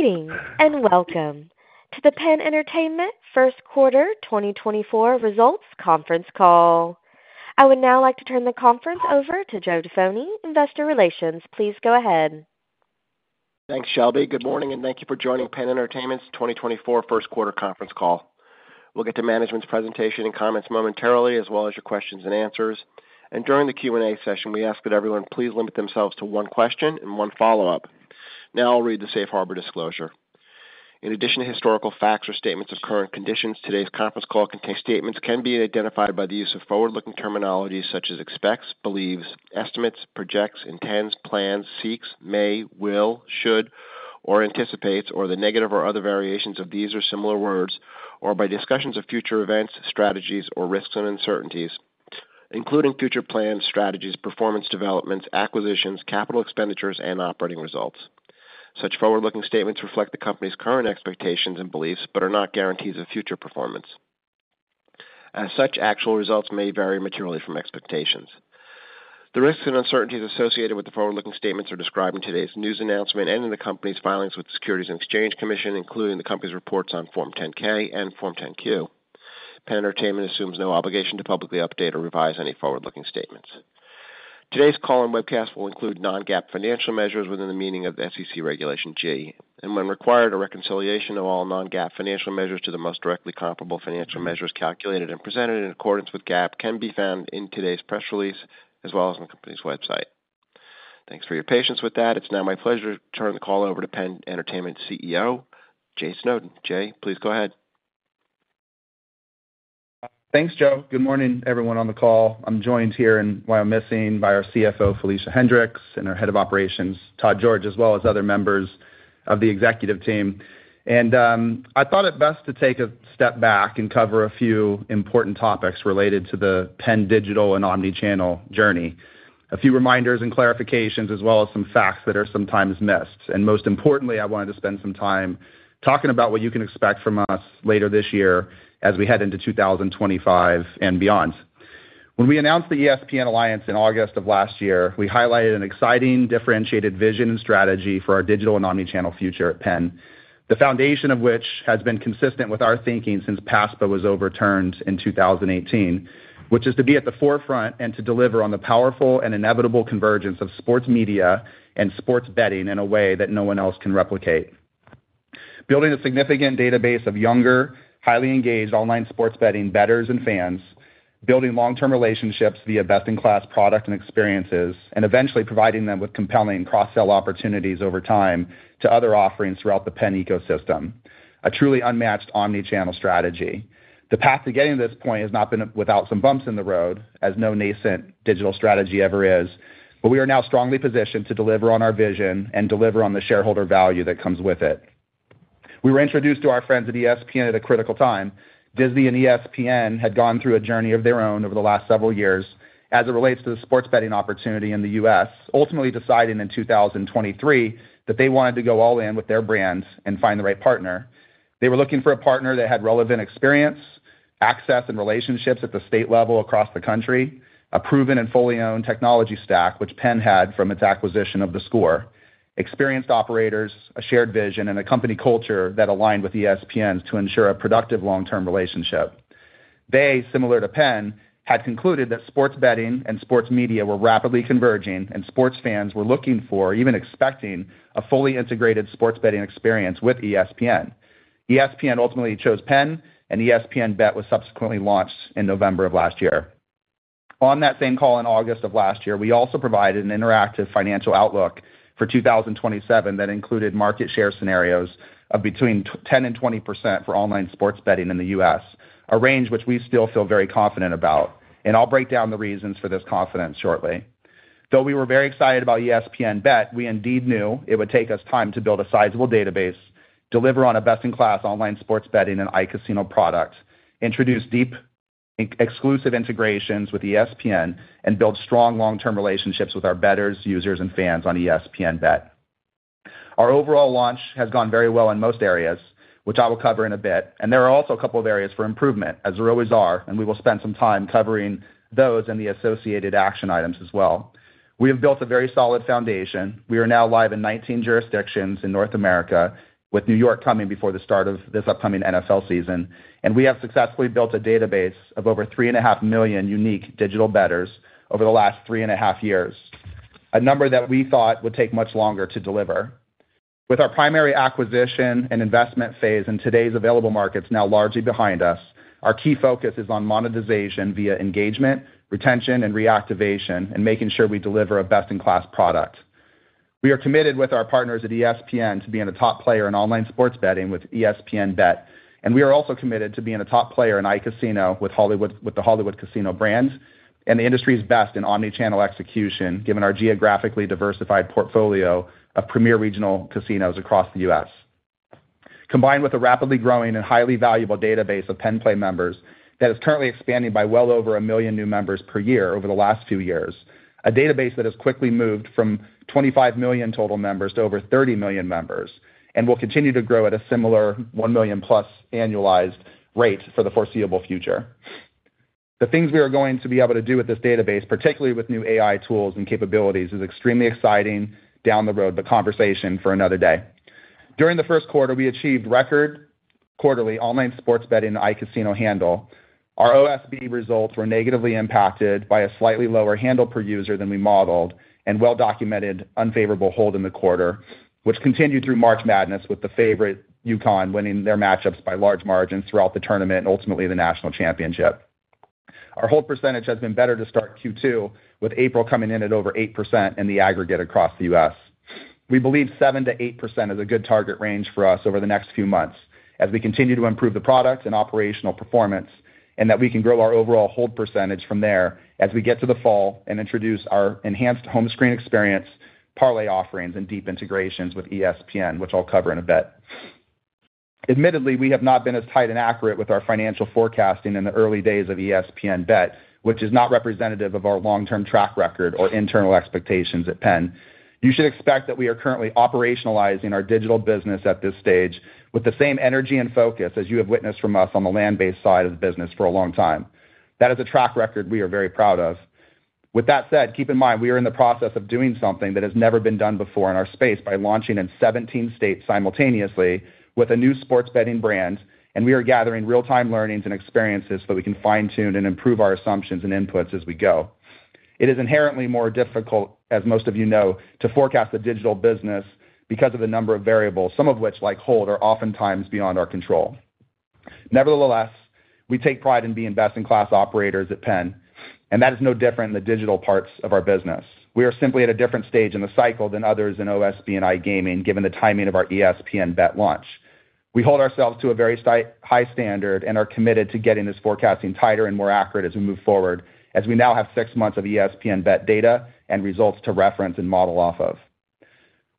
Greetings and welcome to the PENN Entertainment First Quarter 2024 Results Conference Call. I would now like to turn the conference over to Joe Jaffoni, Investor Relations. Please go ahead. Thanks, Shelby. Good morning, and thank you for joining PENN Entertainment's 2024 First Quarter Conference Call. We'll get to management's presentation and comments momentarily, as well as your questions and answers. During the Q&A session, we ask that everyone please limit themselves to one question and one follow-up. Now I'll read the Safe Harbor Disclosure. In addition to historical facts or statements of current conditions, today's conference call contains. Statements can be identified by the use of forward-looking terminology such as expects, believes, estimates, projects, intends, plans, seeks, may, will, should, or anticipates, or the negative or other variations of these or similar words, or by discussions of future events, strategies, or risks and uncertainties, including future plans, strategies, performance developments, acquisitions, capital expenditures, and operating results. Such forward-looking statements reflect the company's current expectations and beliefs but are not guarantees of future performance. As such, actual results may vary materially from expectations. The risks and uncertainties associated with the forward-looking statements are described in today's news announcement and in the company's filings with the Securities and Exchange Commission, including the company's reports on Form 10-K and Form 10-Q. PENN Entertainment assumes no obligation to publicly update or revise any forward-looking statements. Today's call and webcast will include non-GAAP financial measures within the meaning of the SEC Regulation G, and when required, a reconciliation of all non-GAAP financial measures to the most directly comparable financial measures calculated and presented in accordance with GAAP can be found in today's press release as well as on the company's website. Thanks for your patience with that. It's now my pleasure to turn the call over to PENN Entertainment's CEO, Jay Snowden. Jay, please go ahead. Thanks, Joe. Good morning, everyone on the call. I'm joined here in Wyomissing by our CFO, Felicia Hendrix, and our Head of Operations, Todd George, as well as other members of the executive team. I thought it best to take a step back and cover a few important topics related to the PENN digital and omnichannel journey, a few reminders and clarifications, as well as some facts that are sometimes missed. Most importantly, I wanted to spend some time talking about what you can expect from us later this year as we head into 2025 and beyond. When we announced the ESPN Alliance in August of last year, we highlighted an exciting, differentiated vision and strategy for our digital and omnichannel future at PENN, the foundation of which has been consistent with our thinking since PASPA was overturned in 2018, which is to be at the forefront and to deliver on the powerful and inevitable convergence of sports media and sports betting in a way that no one else can replicate. Building a significant database of younger, highly engaged online sports betting bettors and fans, building long-term relationships via best-in-class product and experiences, and eventually providing them with compelling cross-sell opportunities over time to other offerings throughout the PENN ecosystem, a truly unmatched omnichannel strategy. The path to getting to this point has not been without some bumps in the road, as no nascent digital strategy ever is, but we are now strongly positioned to deliver on our vision and deliver on the shareholder value that comes with it. We were introduced to our friends at ESPN at a critical time. Disney and ESPN had gone through a journey of their own over the last several years as it relates to the sports betting opportunity in the U.S., ultimately deciding in 2023 that they wanted to go all in with their brand and find the right partner. They were looking for a partner that had relevant experience, access, and relationships at the state level across the country, a proven and fully owned technology stack, which PENN had from its acquisition of theScore, experienced operators, a shared vision, and a company culture that aligned with ESPN's to ensure a productive long-term relationship. They, similar to PENN, had concluded that sports betting and sports media were rapidly converging, and sports fans were looking for, even expecting, a fully integrated sports betting experience with ESPN. ESPN ultimately chose PENN, and ESPN BET was subsequently launched in November of last year. On that same call in August of last year, we also provided an interactive financial outlook for 2027 that included market share scenarios of between 10% and 20% for online sports betting in the U.S., a range which we still feel very confident about. I'll break down the reasons for this confidence shortly. Though we were very excited about ESPN BET, we indeed knew it would take us time to build a sizable database, deliver on a best-in-class online sports betting and iCasino product, introduce deep, exclusive integrations with ESPN, and build strong long-term relationships with our bettors, users, and fans on ESPN BET. Our overall launch has gone very well in most areas, which I will cover in a bit. There are also a couple of areas for improvement, as there always are, and we will spend some time covering those and the associated action items as well. We have built a very solid foundation. We are now live in 19 jurisdictions in North America, with New York coming before the start of this upcoming NFL season. We have successfully built a database of over 3.5 million unique digital bettors over the last 3.5 years, a number that we thought would take much longer to deliver. With our primary acquisition and investment phase in today's available markets now largely behind us, our key focus is on monetization via engagement, retention, and reactivation, and making sure we deliver a best-in-class product. We are committed with our partners at ESPN to being a top player in online sports betting with ESPN BET. We are also committed to being a top player in iCasino with the Hollywood Casino brand and the industry's best in omnichannel execution, given our geographically diversified portfolio of premier regional casinos across the U.S. Combined with a rapidly growing and highly valuable database of PENN Play members that is currently expanding by well over 1 million new members per year over the last few years, a database that has quickly moved from 25 million total members to over 30 million members, and will continue to grow at a similar 1 million-plus annualized rate for the foreseeable future. The things we are going to be able to do with this database, particularly with new AI tools and capabilities, is extremely exciting down the road, but conversation for another day. During the first quarter, we achieved record quarterly online sports betting and iCasino handle. Our OSB results were negatively impacted by a slightly lower handle per user than we modeled and well-documented unfavorable hold in the quarter, which continued through March Madness with the favorite UConn winning their matchups by large margins throughout the tournament and ultimately the national championship. Our hold percentage has been better to start Q2, with April coming in at over 8% in the aggregate across the U.S. We believe 7%-8% is a good target range for us over the next few months as we continue to improve the product and operational performance, and that we can grow our overall hold percentage from there as we get to the fall and introduce our enhanced home screen experience, parlay offerings, and deep integrations with ESPN, which I'll cover in a bit. Admittedly, we have not been as tight and accurate with our financial forecasting in the early days of ESPN BET, which is not representative of our long-term track record or internal expectations at PENN. You should expect that we are currently operationalizing our digital business at this stage with the same energy and focus as you have witnessed from us on the land-based side of the business for a long time. That is a track record we are very proud of. With that said, keep in mind we are in the process of doing something that has never been done before in our space by launching in 17 states simultaneously with a new sports betting brand, and we are gathering real-time learnings and experiences so that we can fine-tune and improve our assumptions and inputs as we go. It is inherently more difficult, as most of you know, to forecast the digital business because of the number of variables, some of which, like hold, are oftentimes beyond our control. Nevertheless, we take pride in being best-in-class operators at PENN, and that is no different in the digital parts of our business. We are simply at a different stage in the cycle than others in OSB and iGaming, given the timing of our ESPN BET launch. We hold ourselves to a very high standard and are committed to getting this forecasting tighter and more accurate as we move forward, as we now have six months of ESPN BET data and results to reference and model off of.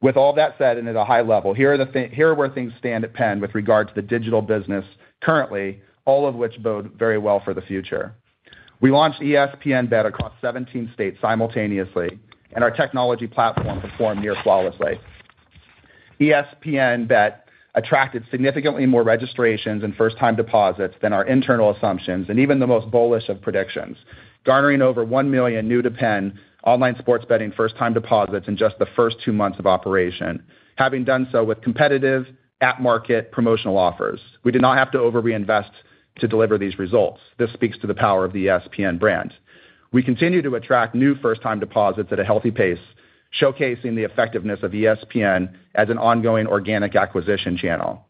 With all that said and at a high level, here are where things stand at PENN with regards to the digital business currently, all of which bode very well for the future. We launched ESPN BET across 17 states simultaneously, and our technology platform performed near flawlessly. ESPN BET attracted significantly more registrations and first-time deposits than our internal assumptions and even the most bullish of predictions, garnering over 1 million new to PENN online sports betting first-time deposits in just the first two months of operation, having done so with competitive at-market promotional offers. We did not have to over-reinvest to deliver these results. This speaks to the power of the ESPN brand. We continue to attract new first-time deposits at a healthy pace, showcasing the effectiveness of ESPN as an ongoing organic acquisition channel.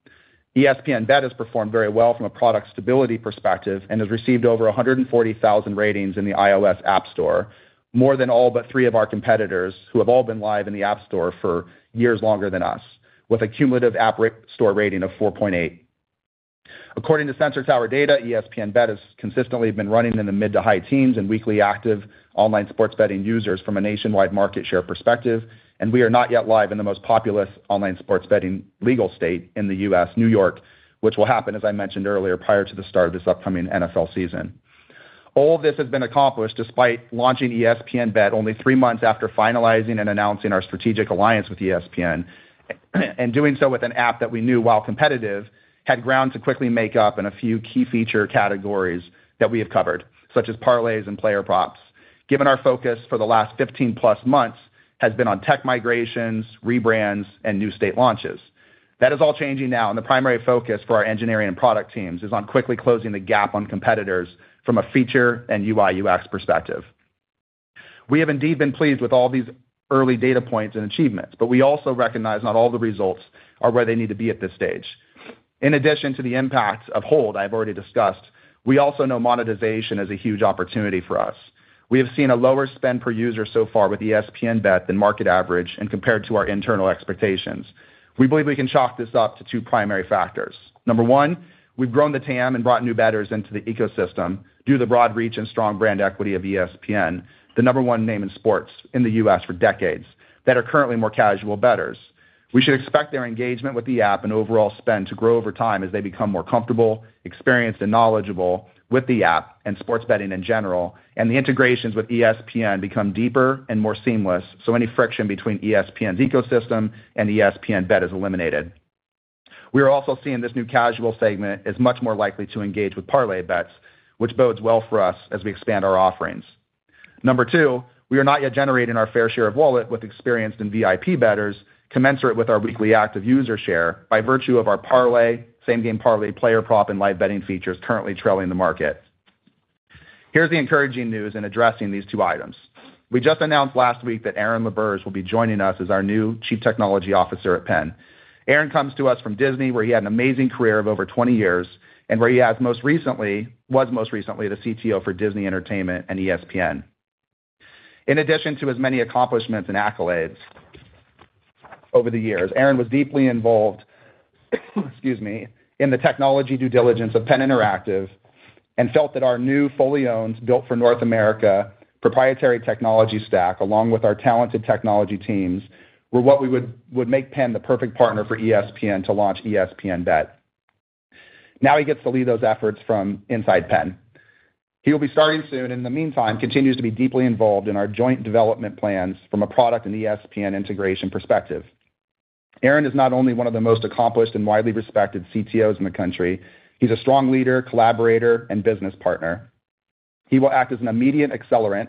ESPN BET has performed very well from a product stability perspective and has received over 140,000 ratings in the iOS App Store, more than all but three of our competitors who have all been live in the App Store for years longer than us, with a cumulative App Store rating of 4.8. According to Sensor Tower data, ESPN BET has consistently been running in the mid to high teens in weekly active online sports betting users from a nationwide market share perspective, and we are not yet live in the most populous online sports betting legal state in the U.S., New York, which will happen, as I mentioned earlier, prior to the start of this upcoming NFL season. All of this has been accomplished despite launching ESPN BET only three months after finalizing and announcing our strategic alliance with ESPN, and doing so with an app that we knew, while competitive, had ground to quickly make up in a few key feature categories that we have covered, such as parlays and player props, given our focus for the last 15+ months has been on tech migrations, rebrands, and new state launches. That is all changing now, and the primary focus for our engineering and product teams is on quickly closing the gap on competitors from a feature and UI/UX perspective. We have indeed been pleased with all these early data points and achievements, but we also recognize not all the results are where they need to be at this stage. In addition to the impact of hold I have already discussed, we also know monetization is a huge opportunity for us. We have seen a lower spend per user so far with ESPN BET than market average and compared to our internal expectations. We believe we can chalk this up to two primary factors. Number one, we've grown the TAM and brought new bettors into the ecosystem due to the broad reach and strong brand equity of ESPN, the number one name in sports in the U.S. for decades, that are currently more casual bettors. We should expect their engagement with the app and overall spend to grow over time as they become more comfortable, experienced, and knowledgeable with the app and sports betting in general, and the integrations with ESPN become deeper and more seamless, so any friction between ESPN's ecosystem and ESPN BET is eliminated. We are also seeing this new casual segment is much more likely to engage with parlay bets, which bodes well for us as we expand our offerings. Number two, we are not yet generating our fair share of wallet with experienced and VIP bettors, commensurate with our weekly active user share by virtue of our parlay, same-game parlay, player prop, and live betting features currently trailing the market. Here's the encouraging news in addressing these two items. We just announced last week that Aaron LaBerge will be joining us as our new Chief Technology Officer at PENN. Aaron comes to us from Disney, where he had an amazing career of over 20 years, and where he was most recently the CTO for Disney Entertainment and ESPN. In addition to his many accomplishments and accolades over the years, Aaron was deeply involved in the technology due diligence of PENN Interactive and felt that our new fully owned, built for North America proprietary technology stack, along with our talented technology teams, were what would make PENN the perfect partner for ESPN to launch ESPN BET. Now he gets to lead those efforts from inside PENN. He will be starting soon, and in the meantime, continues to be deeply involved in our joint development plans from a product and ESPN integration perspective. Aaron is not only one of the most accomplished and widely respected CTOs in the country, he's a strong leader, collaborator, and business partner. He will act as an immediate accelerant,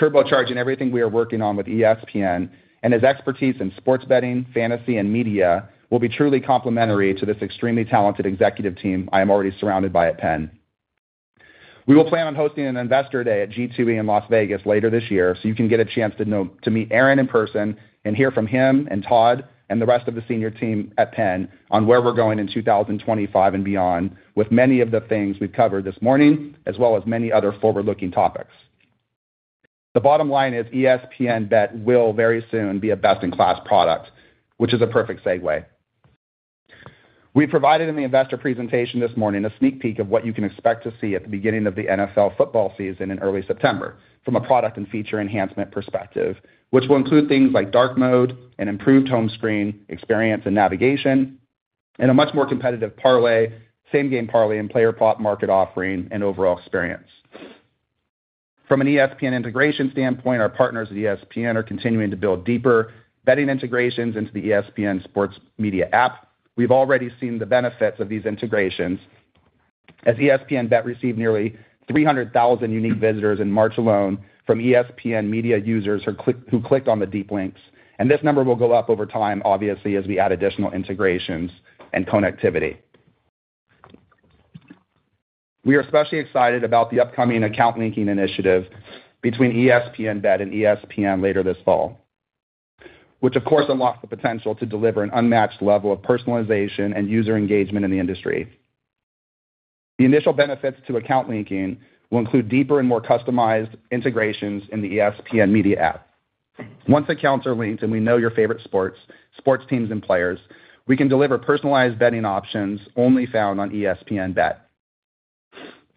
turbocharging everything we are working on with ESPN, and his expertise in sports betting, fantasy, and media will be truly complementary to this extremely talented executive team I am already surrounded by at PENN. We will plan on hosting an investor day at G2E in Las Vegas later this year, so you can get a chance to meet Aaron in person and hear from him and Todd and the rest of the senior team at PENN on where we're going in 2025 and beyond, with many of the things we've covered this morning, as well as many other forward-looking topics. The bottom line is ESPN BET will very soon be a best-in-class product, which is a perfect segue. We provided in the investor presentation this morning a sneak peek of what you can expect to see at the beginning of the NFL football season in early September from a product and feature enhancement perspective, which will include things like dark mode and improved home screen experience and navigation, and a much more competitive parlay, same-game parlay, and player prop market offering and overall experience. From an ESPN integration standpoint, our partners at ESPN are continuing to build deeper betting integrations into the ESPN Sports Media App. We've already seen the benefits of these integrations, as ESPN BET received nearly 300,000 unique visitors in March alone from ESPN media users who clicked on the deep links, and this number will go up over time, obviously, as we add additional integrations and connectivity. We are especially excited about the upcoming account linking initiative between ESPN BET and ESPN later this fall, which, of course, unlocks the potential to deliver an unmatched level of personalization and user engagement in the industry. The initial benefits to account linking will include deeper and more customized integrations in the ESPN Media app. Once accounts are linked and we know your favorite sports, sports teams, and players, we can deliver personalized betting options only found on ESPN BET.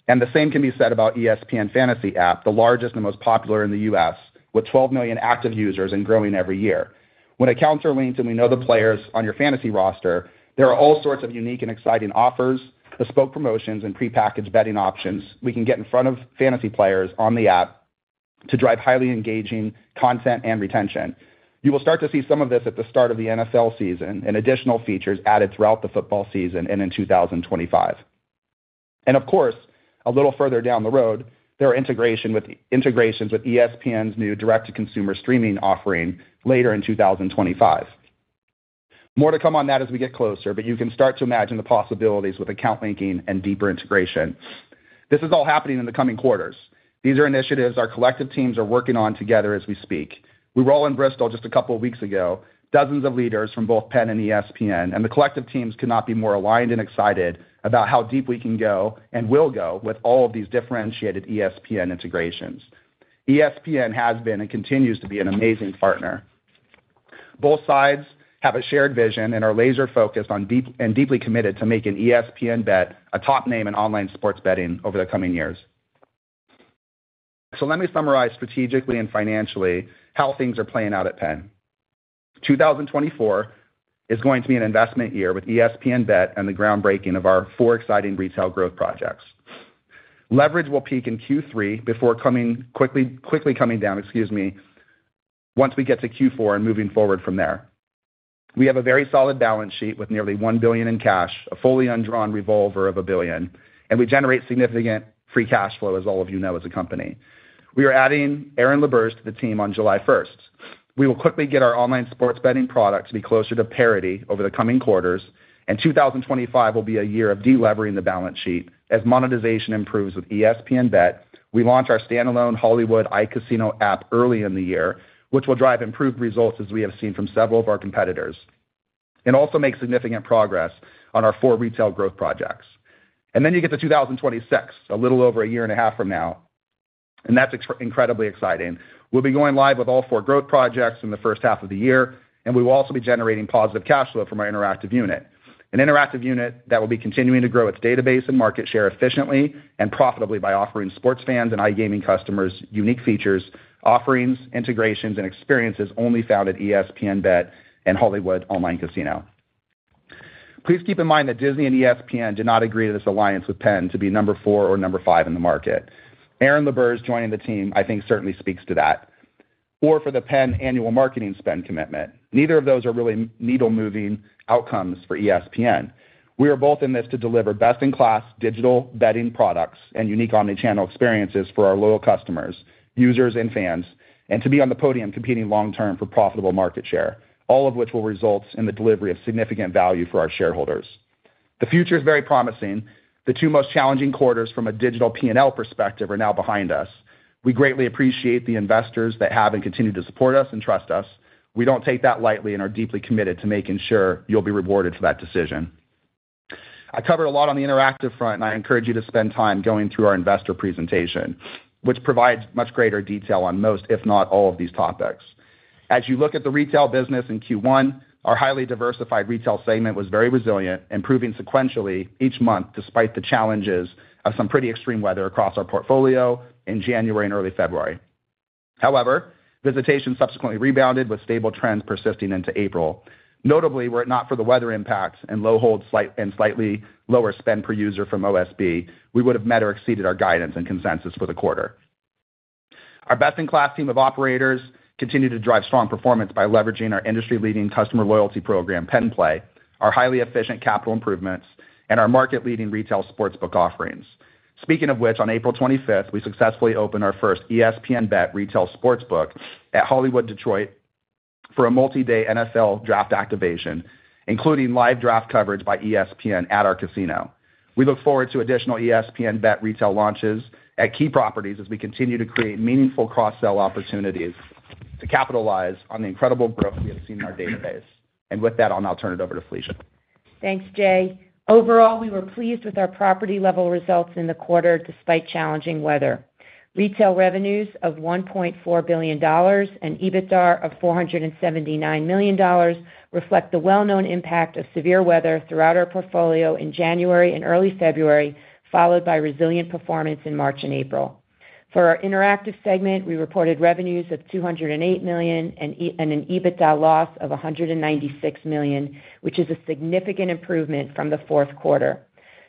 The same can be said about ESPN Fantasy app, the largest and most popular in the U.S., with 12 million active users and growing every year. When accounts are linked and we know the players on your fantasy roster, there are all sorts of unique and exciting offers, bespoke promotions, and prepackaged betting options we can get in front of fantasy players on the app to drive highly engaging content and retention. You will start to see some of this at the start of the NFL season and additional features added throughout the football season and in 2025. Of course, a little further down the road, there are integrations with ESPN's new direct-to-consumer streaming offering later in 2025. More to come on that as we get closer, but you can start to imagine the possibilities with account linking and deeper integration. This is all happening in the coming quarters. These are initiatives our collective teams are working on together as we speak. We rolled in Bristol just a couple of weeks ago, dozens of leaders from both PENN and ESPN, and the collective teams could not be more aligned and excited about how deep we can go and will go with all of these differentiated ESPN integrations. ESPN has been and continues to be an amazing partner. Both sides have a shared vision and are laser-focused and deeply committed to making ESPN BET a top name in online sports betting over the coming years. So let me summarize strategically and financially how things are playing out at PENN. 2024 is going to be an investment year with ESPN BET and the groundbreaking of our four exciting retail growth projects. Leverage will peak in Q3 before quickly coming down, excuse me, once we get to Q4 and moving forward from there. We have a very solid balance sheet with nearly $1 billion in cash, a fully undrawn revolver of $1 billion, and we generate significant free cash flow, as all of you know, as a company. We are adding Aaron LaBerge to the team on July 1st. We will quickly get our online sports betting product to be closer to parity over the coming quarters, and 2025 will be a year of delevering the balance sheet. As monetization improves with ESPN BET, we launch our standalone Hollywood iCasino app early in the year, which will drive improved results as we have seen from several of our competitors, and also make significant progress on our four retail growth projects. And then you get to 2026, a little over a year and a half from now, and that's incredibly exciting. We'll be going live with all four growth projects in the first half of the year, and we will also be generating positive cash flow from our interactive unit, an interactive unit that will be continuing to grow its database and market share efficiently and profitably by offering sports fans and iGaming customers unique features, offerings, integrations, and experiences only found at ESPN BET and Hollywood iCasino. Please keep in mind that Disney and ESPN did not agree to this alliance with PENN to be number four or number five in the market. Aaron LaBerge joining the team, I think, certainly speaks to that. Or for the PENN annual marketing spend commitment. Neither of those are really needle-moving outcomes for ESPN. We are both in this to deliver best-in-class digital betting products and unique omnichannel experiences for our loyal customers, users, and fans, and to be on the podium competing long-term for profitable market share, all of which will result in the delivery of significant value for our shareholders. The future is very promising. The two most challenging quarters from a digital P&L perspective are now behind us. We greatly appreciate the investors that have and continue to support us and trust us. We don't take that lightly and are deeply committed to making sure you'll be rewarded for that decision. I covered a lot on the interactive front, and I encourage you to spend time going through our investor presentation, which provides much greater detail on most, if not all, of these topics. As you look at the retail business in Q1, our highly diversified retail segment was very resilient, improving sequentially each month despite the challenges of some pretty extreme weather across our portfolio in January and early February. However, visitation subsequently rebounded with stable trends persisting into April. Notably, were it not for the weather impact and slightly lower spend per user from OSB, we would have met or exceeded our guidance and consensus for the quarter. Our best-in-class team of operators continued to drive strong performance by leveraging our industry-leading customer loyalty program, PENN Play, our highly efficient capital improvements, and our market-leading retail sportsbook offerings. Speaking of which, on April 25th, we successfully opened our first ESPN BET retail sportsbook at Hollywood, Detroit for a multi-day NFL Draft activation, including live draft coverage by ESPN at our casino. We look forward to additional ESPN BET retail launches at key properties as we continue to create meaningful cross-sell opportunities to capitalize on the incredible growth we have seen in our database. With that, I'll now turn it over to Felicia. Thanks, Jay. Overall, we were pleased with our property-level results in the quarter despite challenging weather. Retail revenues of $1.4 billion and EBITDA of $479 million reflect the well-known impact of severe weather throughout our portfolio in January and early February, followed by resilient performance in March and April. For our interactive segment, we reported revenues of $208 million and an EBITDA loss of $196 million, which is a significant improvement from the fourth quarter.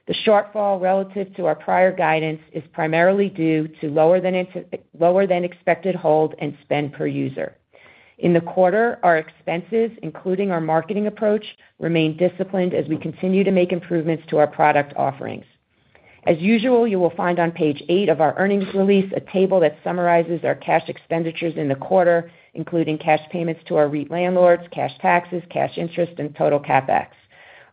The shortfall relative to our prior guidance is primarily due to lower-than-expected hold and spend per user. In the quarter, our expenses, including our marketing approach, remain disciplined as we continue to make improvements to our product offerings. As usual, you will find on page eight of our earnings release a table that summarizes our cash expenditures in the quarter, including cash payments to our REIT landlords, cash taxes, cash interest, and total CapEx.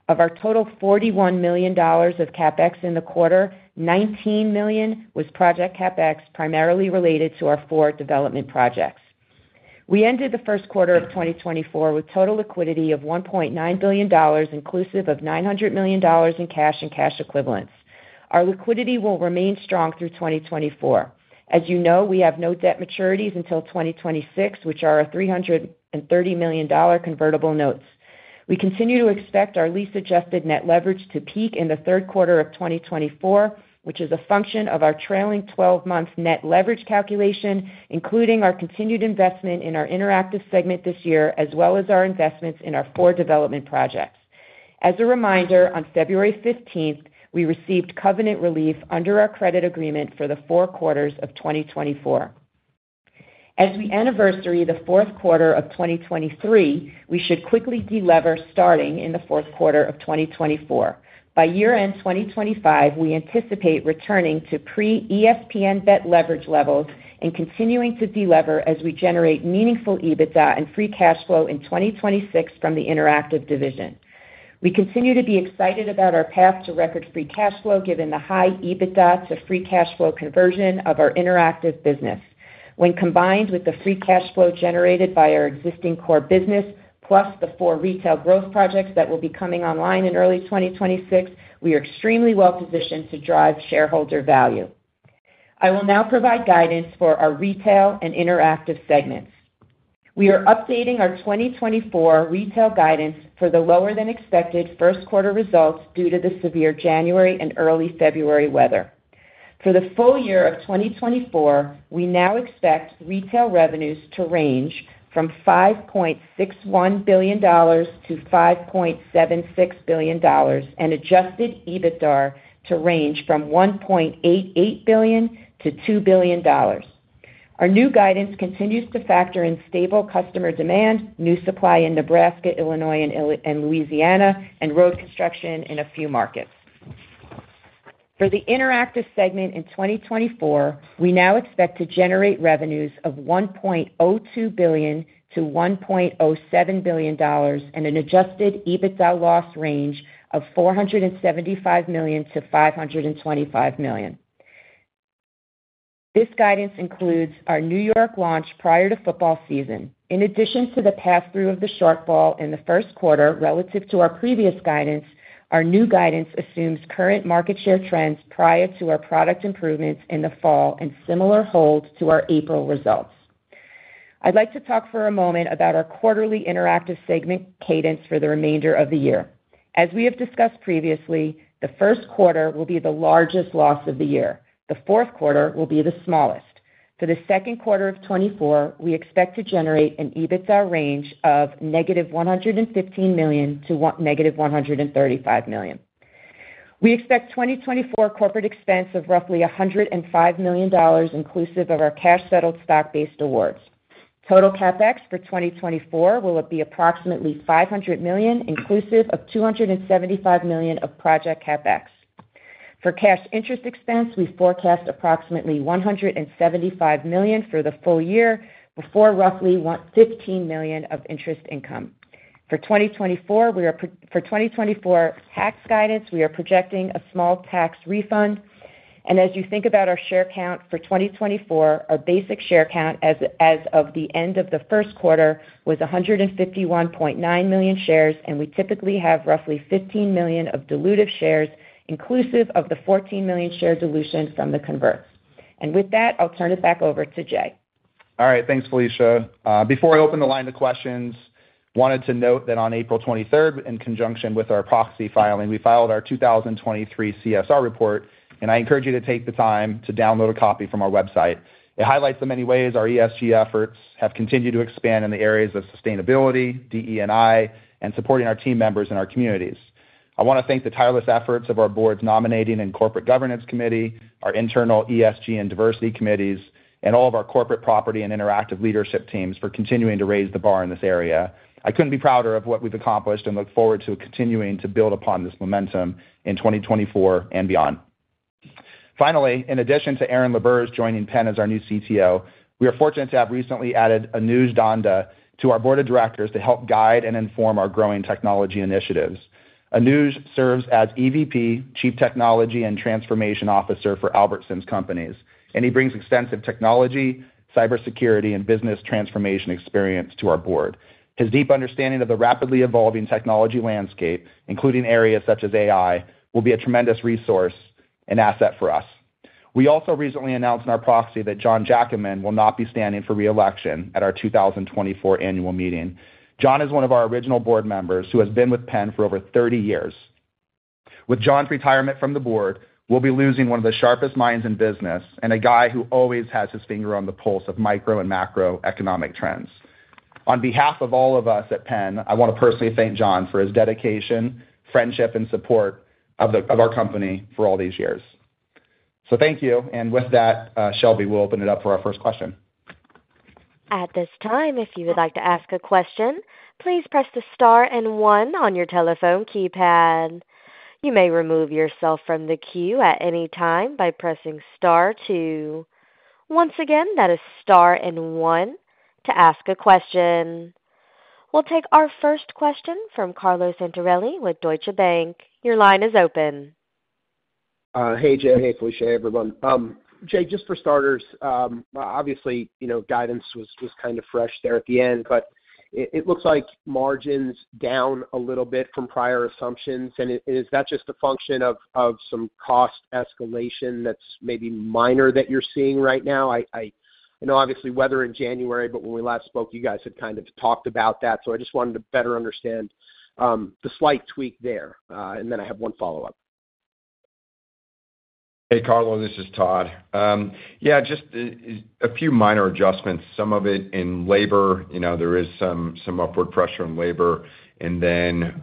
Of our total $41 million of CapEx in the quarter, $19 million was project CapEx primarily related to our four development projects. We ended the first quarter of 2024 with total liquidity of $1.9 billion, inclusive of $900 million in cash and cash equivalents. Our liquidity will remain strong through 2024. As you know, we have no debt maturities until 2026, which are our $330 million convertible notes. We continue to expect our LTM-adjusted net leverage to peak in the third quarter of 2024, which is a function of our trailing 12-month net leverage calculation, including our continued investment in our interactive segment this year, as well as our investments in our four development projects. As a reminder, on February 15th, we received covenant relief under our credit agreement for the four quarters of 2024. As we anniversary the fourth quarter of 2023, we should quickly delever starting in the fourth quarter of 2024. By year-end 2025, we anticipate returning to pre-ESPN BET leverage levels and continuing to delever as we generate meaningful EBITDA and free cash flow in 2026 from the interactive division. We continue to be excited about our path to record free cash flow given the high EBITDA to free cash flow conversion of our interactive business. When combined with the free cash flow generated by our existing core business plus the four retail growth projects that will be coming online in early 2026, we are extremely well-positioned to drive shareholder value. I will now provide guidance for our retail and interactive segments. We are updating our 2024 retail guidance for the lower-than-expected first-quarter results due to the severe January and early February weather. For the full year of 2024, we now expect retail revenues to range from $5.61 billion-$5.76 billion and Adjusted EBITDA to range from $1.88 billion-$2 billion. Our new guidance continues to factor in stable customer demand, new supply in Nebraska, Illinois, and Louisiana, and road construction in a few markets. For the interactive segment in 2024, we now expect to generate revenues of $1.02 billion-$1.07 billion and an Adjusted EBITDA loss range of $475 million-$525 million. This guidance includes our New York launch prior to football season. In addition to the pass-through of the shortfall in the first quarter relative to our previous guidance, our new guidance assumes current market share trends prior to our product improvements in the fall and similar hold to our April results. I'd like to talk for a moment about our quarterly interactive segment cadence for the remainder of the year. As we have discussed previously, the first quarter will be the largest loss of the year. The fourth quarter will be the smallest. For the second quarter of 2024, we expect to generate an EBITDA range of -$115 million to -$135 million. We expect 2024 corporate expense of roughly $105 million, inclusive of our cash-settled stock-based awards. Total CapEx for 2024 will be approximately $500 million, inclusive of $275 million of project CapEx. For cash interest expense, we forecast approximately $175 million for the full year before roughly $15 million of interest income. For 2024, for 2024 tax guidance, we are projecting a small tax refund. As you think about our share count for 2024, our basic share count as of the end of the first quarter was 151.9 million shares, and we typically have roughly 15 million of diluted shares, inclusive of the 14 million share dilution from the converts. With that, I'll turn it back over to Jay. All right. Thanks, Felicia.Before I open the line to questions, I wanted to note that on April 23rd, in conjunction with our proxy filing, we filed our 2023 CSR report, and I encourage you to take the time to download a copy from our website. It highlights the many ways our ESG efforts have continued to expand in the areas of sustainability, DE&I, and supporting our team members and our communities. I want to thank the tireless efforts of our board's Nominating and Corporate Governance Committee, our internal ESG and diversity committees, and all of our corporate property and interactive leadership teams for continuing to raise the bar in this area. I couldn't be prouder of what we've accomplished and look forward to continuing to build upon this momentum in 2024 and beyond. Finally, in addition to Aaron LaBerge joining PENN as our new CTO, we are fortunate to have recently added Anuj Dhanda to our board of directors to help guide and inform our growing technology initiatives. Anuj serves as EVP, Chief Technology and Transformation Officer for Albertsons Companies, and he brings extensive technology, cybersecurity, and business transformation experience to our board. His deep understanding of the rapidly evolving technology landscape, including areas such as AI, will be a tremendous resource and asset for us. We also recently announced in our proxy that John Jacquemin will not be standing for reelection at our 2024 annual meeting. John is one of our original board members who has been with PENN for over 30 years. With John's retirement from the board, we'll be losing one of the sharpest minds in business and a guy who always has his finger on the pulse of micro and macroeconomic trends. On behalf of all of us at PENN, I want to personally thank John for his dedication, friendship, and support of our company for all these years. So thank you. With that, Shelby, we'll open it up for our first question. At this time, if you would like to ask a question, please press the star and one on your telephone keypad. You may remove yourself from the queue at any time by pressing star two. Once again, that is star and one to ask a question. We'll take our first question from Carlo Santarelli with Deutsche Bank. Your line is open. Hey, Jay. Hey, Felicia, everyone. Jay, just for starters, obviously, guidance was kind of fresh there at the end, but it looks like margins down a little bit from prior assumptions. And is that just a function of some cost escalation that's maybe minor that you're seeing right now? I know, obviously, weather in January, but when we last spoke, you guys had kind of talked about that. So I just wanted to better understand the slight tweak there. And then I have one follow-up. Hey, Carlo. This is Todd. Yeah, just a few minor adjustments. Some of it in labor. There is some upward pressure in labor. And then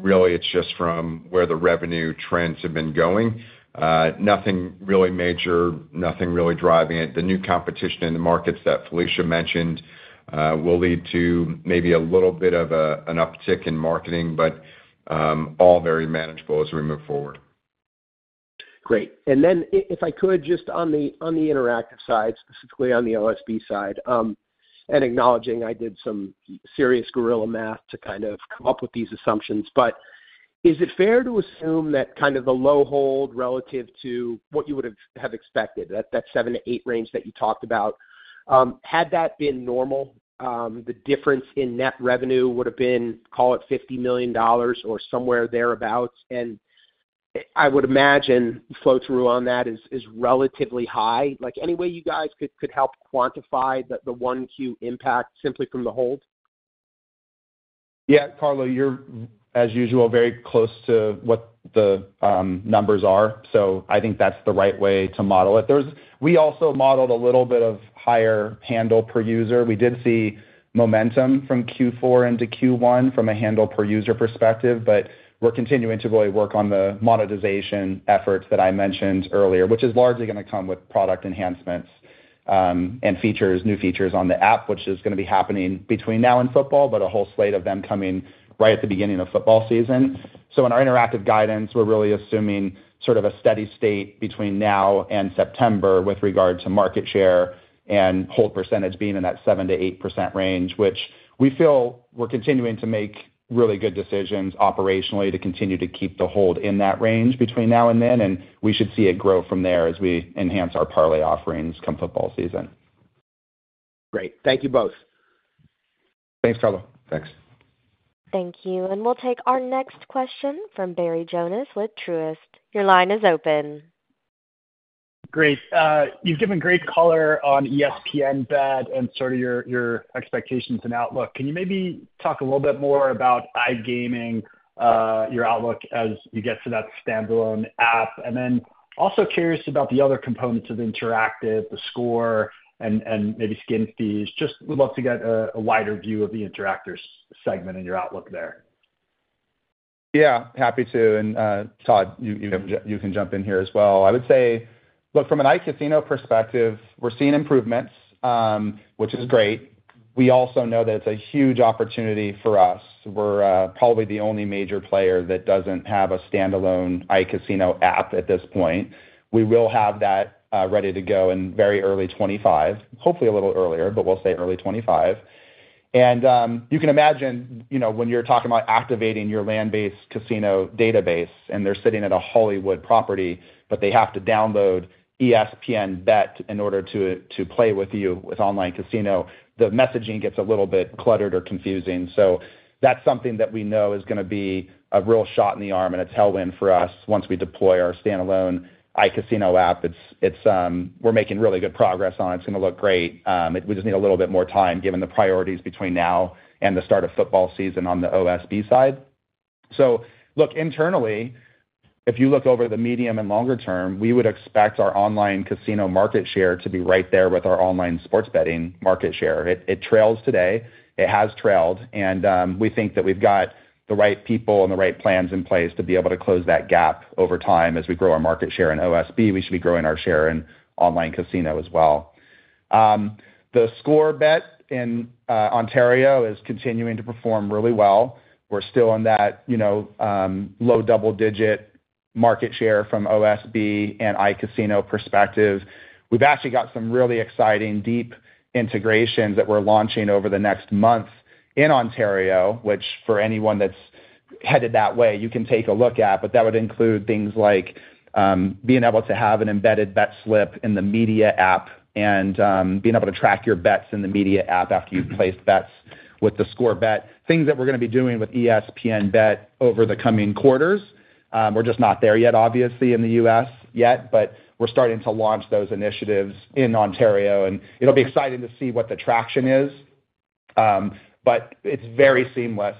really, it's just from where the revenue trends have been going. Nothing really major, nothing really driving it. The new competition in the markets that Felicia mentioned will lead to maybe a little bit of an uptick in marketing, but all very manageable as we move forward. Great. And then if I could, just on the interactive side, specifically on the OSB side, and acknowledging I did some serious guerrilla math to kind of come up with these assumptions, but is it fair to assume that kind of the low hold relative to what you would have expected, that seven to eight range that you talked about, had that been normal, the difference in net revenue would have been, call it, $50 million or somewhere thereabouts? And I would imagine the flow-through on that is relatively high. Any way you guys could help quantify the Q1 impact simply from the hold? Yeah. Carlo, you're, as usual, very close to what the numbers are. So I think that's the right way to model it. We also modeled a little bit of higher handle per user. We did see momentum from Q4 into Q1 from a handle-per-user perspective, but we're continuing to really work on the monetization efforts that I mentioned earlier, which is largely going to come with product enhancements and new features on the app, which is going to be happening between now and football, but a whole slate of them coming right at the beginning of football season. So in our interactive guidance, we're really assuming sort of a steady state between now and September with regard to market share and hold percentage being in that 7%-8% range, which we feel we're continuing to make really good decisions operationally to continue to keep the hold in that range between now and then. And we should see it grow from there as we enhance our parlay offerings come football season. Great. Thank you both. Thanks, Carlo. Thanks. Thank you. And we'll take our next question from Barry Jonas with Truist. Your line is open. Great. You've given great color on ESPN BET and sort of your expectations and outlook. Can you maybe talk a little bit more about iGaming, your outlook as you get to that standalone app? And then also curious about the other components of interactive, theScore, and maybe skin fees. Just would love to get a wider view of the interactive segment and your outlook there. Yeah, happy to. And Todd, you can jump in here as well. I would say, look, from an iCasino perspective, we're seeing improvements, which is great. We also know that it's a huge opportunity for us. We're probably the only major player that doesn't have a standalone iCasino app at this point. We will have that ready to go in very early 2025, hopefully a little earlier, but we'll say early 2025. And you can imagine when you're talking about activating your land-based casino database and they're sitting at a Hollywood property, but they have to download ESPN BET in order to play with you with online casino, the messaging gets a little bit cluttered or confusing. So that's something that we know is going to be a real shot in the arm, and it's tailwind for us once we deploy our standalone iCasino app. We're making really good progress on it. It's going to look great. We just need a little bit more time given the priorities between now and the start of football season on the OSB side. So look, internally, if you look over the medium and longer term, we would expect our online casino market share to be right there with our online sports betting market share. It trails today. It has trailed. And we think that we've got the right people and the right plans in place to be able to close that gap over time as we grow our market share in OSB. We should be growing our share in online casino as well. theScore Bet in Ontario is continuing to perform really well. We're still on that low double-digit market share from OSB and iCasino perspective. We've actually got some really exciting deep integrations that we're launching over the next month in Ontario, which for anyone that's headed that way, you can take a look at. But that would include things like being able to have an embedded bet slip in the media app and being able to track your bets in the media app after you've placed bets with theScore Bet, things that we're going to be doing with ESPN BET over the coming quarters. We're just not there yet, obviously, in the U.S. yet, but we're starting to launch those initiatives in Ontario. And it'll be exciting to see what the traction is. But it's very seamless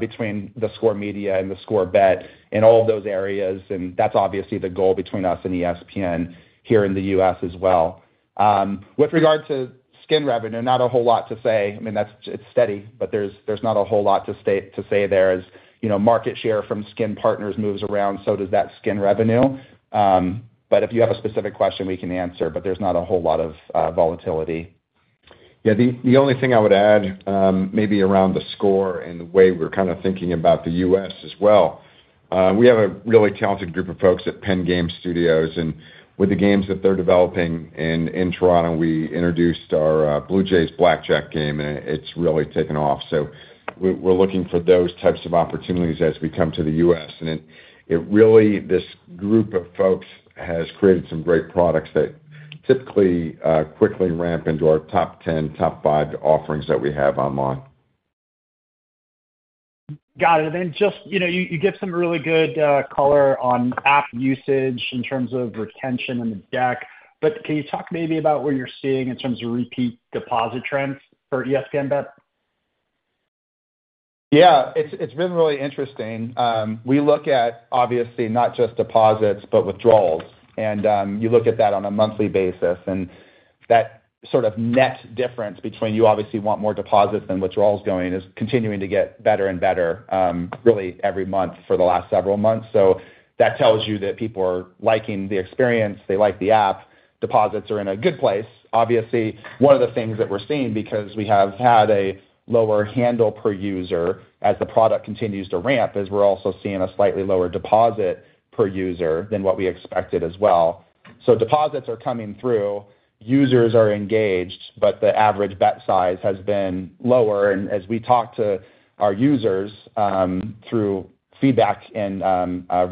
between theScore and theScore Bet in all of those areas. And that's obviously the goal between us and ESPN here in the U.S. as well. With regard to skin revenue, not a whole lot to say. I mean, it's steady, but there's not a whole lot to say there. As market share from skin partners moves around, so does that skin revenue. But if you have a specific question, we can answer. But there's not a whole lot of volatility. Yeah. The only thing I would add, maybe around theScore and the way we're kind of thinking about the U.S. as well, we have a really talented group of folks at PENN Game Studios. And with the games that they're developing in Toronto, we introduced our Blue Jays Blackjack game, and it's really taken off. So we're looking for those types of opportunities as we come to the U.S. And really, this group of folks has created some great products that typically quickly ramp into our top 10, top five offerings that we have online. Got it. And then just you give some really good color on app usage in terms of retention and the deck. But can you talk maybe about what you're seeing in terms of repeat deposit trends for ESPN BET? Yeah. It's been really interesting. We look at, obviously, not just deposits but withdrawals. You look at that on a monthly basis. That sort of net difference between you obviously want more deposits than withdrawals going is continuing to get better and better, really, every month for the last several months. So that tells you that people are liking the experience. They like the app. Deposits are in a good place. Obviously, one of the things that we're seeing because we have had a lower handle per user as the product continues to ramp is we're also seeing a slightly lower deposit per user than what we expected as well. So deposits are coming through. Users are engaged, but the average bet size has been lower. As we talk to our users through feedback and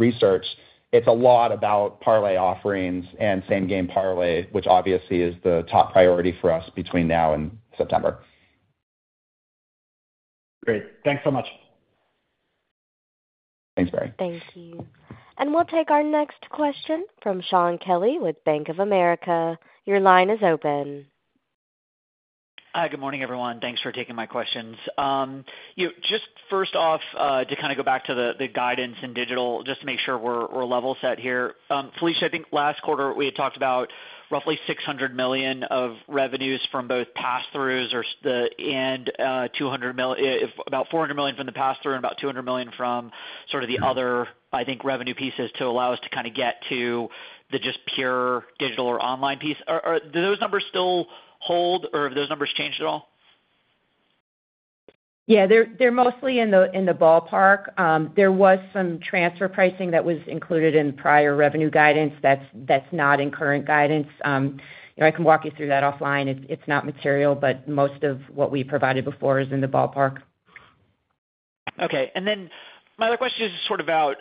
research, it's a lot about parlay offerings and same-game parlay, which obviously is the top priority for us between now and September. Great. Thanks so much. Thanks, Barry. Thank you. And we'll take our next question from Shaun Kelley with Bank of America. Your line is open. Hi. Good morning, everyone. Thanks for taking my questions. Just first off, to kind of go back to the guidance and digital, just to make sure we're level set here, Felicia, I think last quarter, we had talked about roughly $600 million of revenues from both pass-throughs and about $400 million from the pass-through and about $200 million from sort of the other, I think, revenue pieces to allow us to kind of get to the just pure digital or online piece. Do those numbers still hold, or have those numbers changed at all? Yeah. They're mostly in the ballpark. There was some transfer pricing that was included in prior revenue guidance. That's not in current guidance. I can walk you through that offline. It's not material, but most of what we provided before is in the ballpark. Okay. And then my other question is sort of about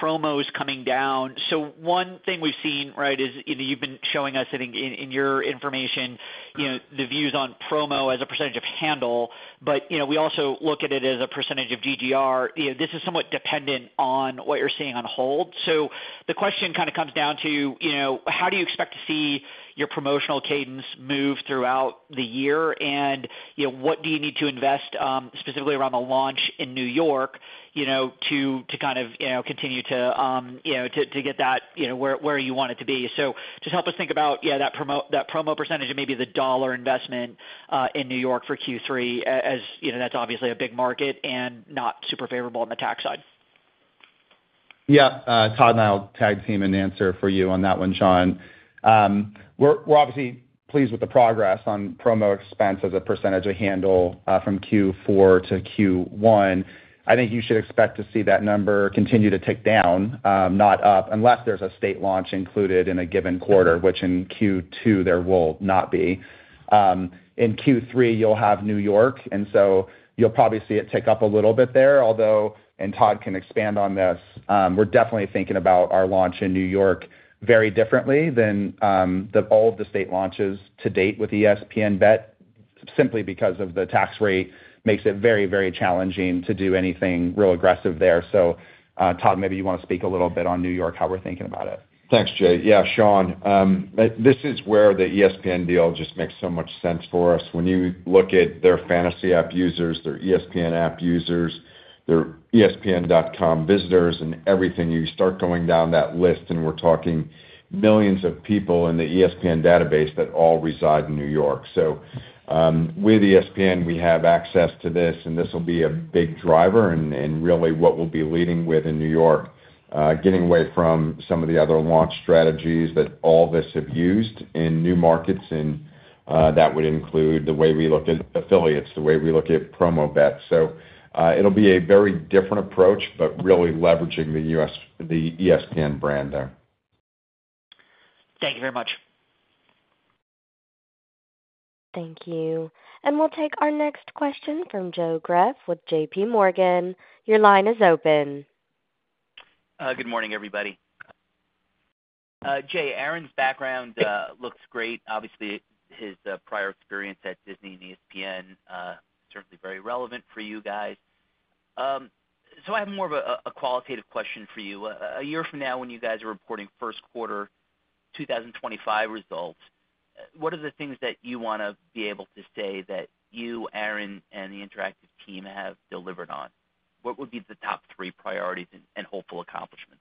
promos coming down. So one thing we've seen, right, is you've been showing us, I think, in your information, the views on promo as a percentage of handle. But we also look at it as a percentage of GGR. This is somewhat dependent on what you're seeing on hold. So the question kind of comes down to how do you expect to see your promotional cadence move throughout the year? And what do you need to invest specifically around the launch in New York to kind of continue to get that where you want it to be? So just help us think about, yeah, that promo percentage and maybe the dollar investment in New York for Q3, as that's obviously a big market and not super favorable on the tax side. Yeah. Todd and I'll tag team and answer for you on that one, Shaun. We're obviously pleased with the progress on promo expense as a percentage of handle from Q4 to Q1. I think you should expect to see that number continue to tick down, not up, unless there's a state launch included in a given quarter, which in Q2, there will not be. In Q3, you'll have New York. And so you'll probably see it tick up a little bit there, although, and Todd can expand on this, we're definitely thinking about our launch in New York very differently than all of the state launches to date with ESPN BET simply because of the tax rate makes it very, very challenging to do anything real aggressive there. So Todd, maybe you want to speak a little bit on New York, how we're thinking about it. Thanks, Jay. Yeah, Shaun, this is where the ESPN deal just makes so much sense for us. When you look at their Fantasy app users, their ESPN app users, their ESPN.com visitors, and everything, you start going down that list, and we're talking millions of people in the ESPN database that all reside in New York.So with ESPN, we have access to this, and this will be a big driver and really what we'll be leading with in New York, getting away from some of the other launch strategies that others have used in new markets. And that would include the way we look at affiliates, the way we look at promo bets. So it'll be a very different approach but really leveraging the ESPN brand there. Thank you very much. Thank you. And we'll take our next question from Joe Greff with JPMorgan. Your line is open. Good morning, everybody. Jay, Aaron's background looks great. Obviously, his prior experience at Disney and ESPN is certainly very relevant for you guys. So I have more of a qualitative question for you. A year from now, when you guys are reporting first quarter 2025 results, what are the things that you want to be able to say that you, Aaron, and the interactive team have delivered on? What would be the top three priorities and hopeful accomplishments?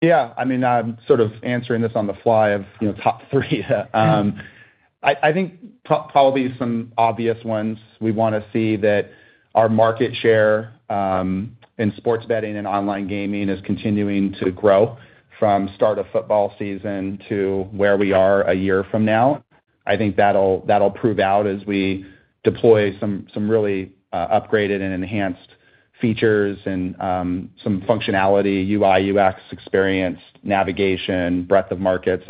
Yeah. I mean, I'm sort of answering this on the fly of top three. I think probably some obvious ones. We want to see that our market share in sports betting and online gaming is continuing to grow from start of football season to where we are a year from now. I think that'll prove out as we deploy some really upgraded and enhanced features and some functionality, UI/UX experience, navigation, breadth of markets.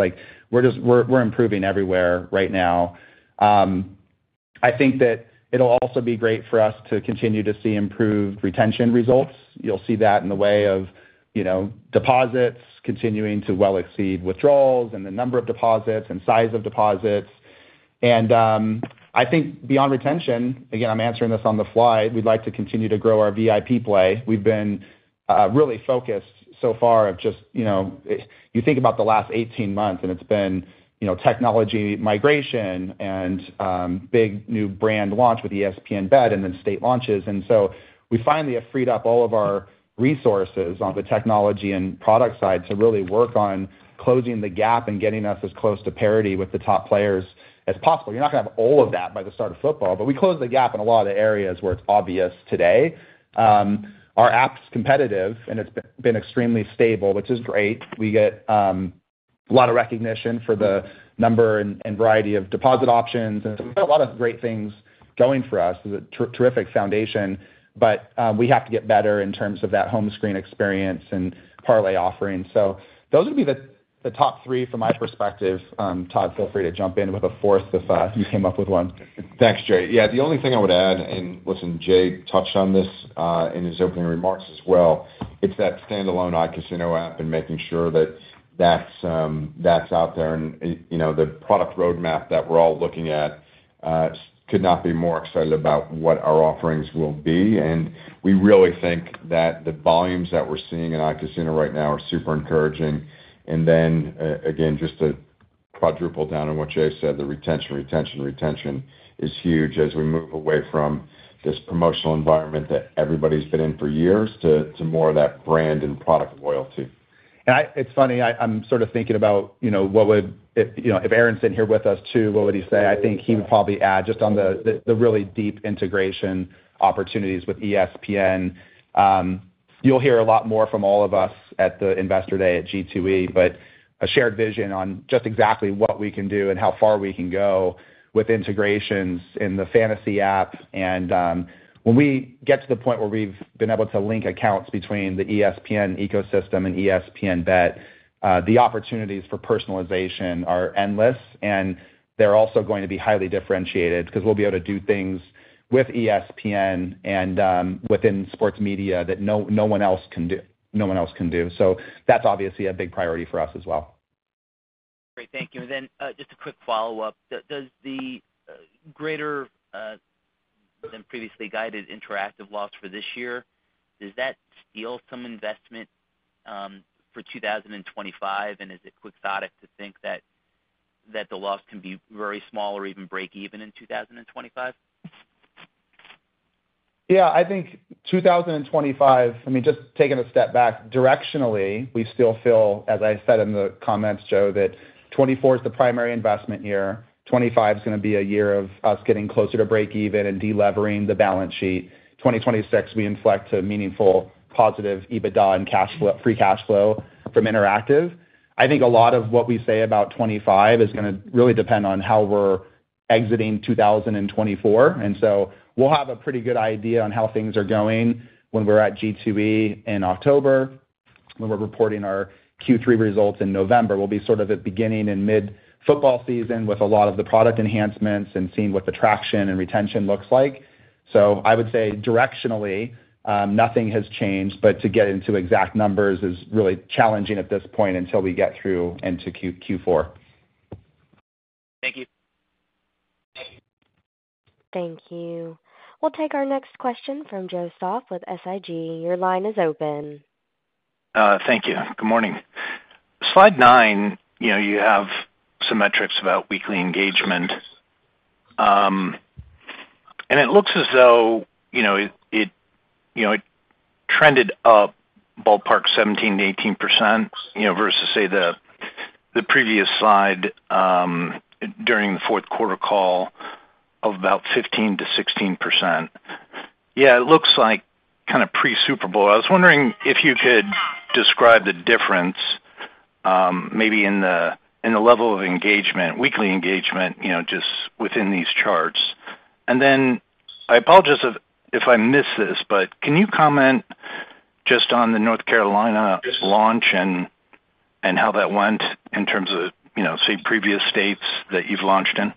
We're improving everywhere right now. I think that it'll also be great for us to continue to see improved retention results. You'll see that in the way of deposits continuing to well exceed withdrawals and the number of deposits and size of deposits. I think beyond retention again, I'm answering this on the fly. We'd like to continue to grow our VIP play. We've been really focused so far on just you think about the last 18 months, and it's been technology migration and big new brand launch with ESPN BET and then state launches. So we finally have freed up all of our resources on the technology and product side to really work on closing the gap and getting us as close to parity with the top players as possible. You're not going to have all of that by the start of football, but we closed the gap in a lot of the areas where it's obvious today. Our app's competitive, and it's been extremely stable, which is great. We get a lot of recognition for the number and variety of deposit options. And so we've got a lot of great things going for us. It's a terrific foundation. But we have to get better in terms of that home screen experience and parlay offering. So those would be the top three from my perspective. Todd, feel free to jump in with a fourth if you came up with one. Thanks, Jay. Yeah. The only thing I would add, and listen, Jay touched on this in his opening remarks as well. It's that standalone iCasino app and making sure that that's out there. And the product roadmap that we're all looking at, could not be more excited about what our offerings will be. We really think that the volumes that we're seeing in iCasino right now are super encouraging. Then again, just to quadruple down on what Jay said, the retention, retention, retention is huge as we move away from this promotional environment that everybody's been in for years to more of that brand and product loyalty. It's funny. I'm sort of thinking about what would if Aaron's sitting here with us too, what would he say? I think he would probably add just on the really deep integration opportunities with ESPN. You'll hear a lot more from all of us at the investor day at G2E, but a shared vision on just exactly what we can do and how far we can go with integrations in the fantasy app. And when we get to the point where we've been able to link accounts between the ESPN ecosystem and ESPN BET, the opportunities for personalization are endless. And they're also going to be highly differentiated because we'll be able to do things with ESPN and within sports media that no one else can do. No one else can do. So that's obviously a big priority for us as well. Great. Thank you. And then just a quick follow-up. Does the greater than previously guided interactive loss for this year, does that steal some investment for 2025? And is it quixotic to think that the loss can be very small or even break even in 2025? Yeah. I think, 2025, I mean, just taking a step back directionally, we still feel, as I said in the comments, Joe, that 2024 is the primary investment year. 2025 is going to be a year of us getting closer to break even and delevering the balance sheet. 2026, we inflect a meaningful positive EBITDA and free cash flow from interactive. I think a lot of what we say about 2025 is going to really depend on how we're exiting 2024. And so we'll have a pretty good idea on how things are going when we're at G2E in October, when we're reporting our Q3 results in November. We'll be sort of at beginning and mid-football season with a lot of the product enhancements and seeing what the traction and retention looks like. So I would say directionally, nothing has changed. But to get into exact numbers is really challenging at this point until we get through into Q4. Thank you. Thank you. We'll take our next question from Joe Stauff with SIG. Your line is open. Thank you. Good morning. Slide nine, you have some metrics about weekly engagement. And it looks as though it trended up ballpark 17%-18% versus, say, the previous slide during the fourth quarter call of about 15%-16%. Yeah. It looks like kind of pre-Super Bowl. I was wondering if you could describe the difference maybe in the level of engagement, weekly engagement, just within these charts. And then I apologize if I miss this, but can you comment just on the North Carolina launch and how that went in terms of, say, previous states that you've launched in?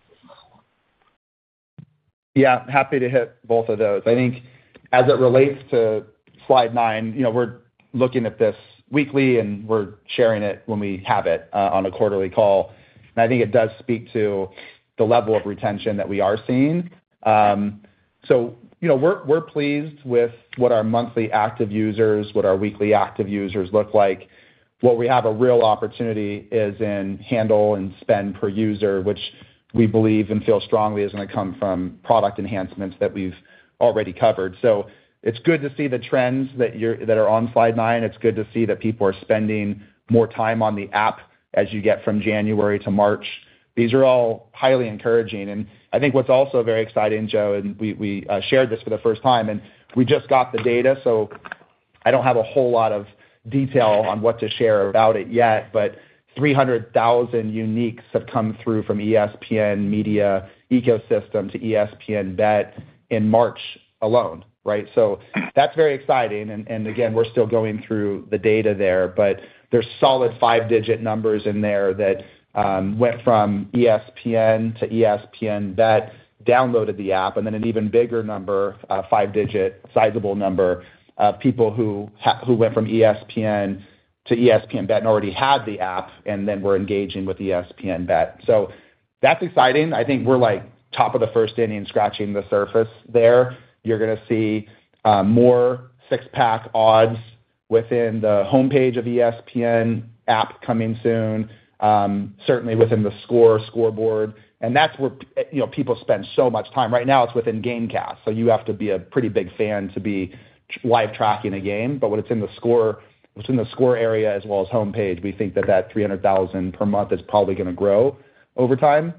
Yeah. Happy to hit both of those. I think as it relates to slide nine, we're looking at this weekly, and we're sharing it when we have it on a quarterly call. And I think it does speak to the level of retention that we are seeing. So we're pleased with what our monthly active users, what our weekly active users look like. What we have a real opportunity is in handle and spend per user, which we believe and feel strongly is going to come from product enhancements that we've already covered. So it's good to see the trends that are on slide nine. It's good to see that people are spending more time on the app as you get from January to March. These are all highly encouraging. And I think what's also very exciting, Joe, and we shared this for the first time, and we just got the data. So I don't have a whole lot of detail on what to share about it yet, but 300,000 uniques have come through from ESPN media ecosystem to ESPN BET in March alone, right? So that's very exciting. And again, we're still going through the data there. But there's solid five-digit numbers in there that went from ESPN to ESPN BET, downloaded the app, and then an even bigger number, five-digit, sizable number of people who went from ESPN to ESPN BET and already had the app and then were engaging with ESPN BET. So that's exciting. I think we're top of the first inning scratching the surface there. You're going to see more Six Pack odds within the homepage of ESPN app coming soon, certainly within the score scoreboard. And that's where people spend so much time. Right now, it's within GameCast. So you have to be a pretty big fan to be live tracking a game. But when it's in the score area as well as homepage, we think that that 300,000 per month is probably going to grow over time.